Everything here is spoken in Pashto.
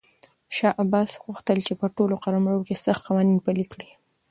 شاه عباس غوښتل چې په ټول قلمرو کې سخت قوانین پلي کړي.